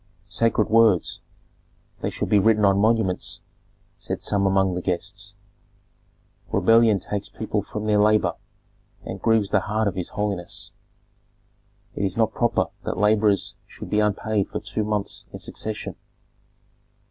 "Sacred words! They should be written on monuments," said some among the guests. "Rebellion takes people from their labor and grieves the heart of his holiness. It is not proper that laborers should be unpaid for two months in succession."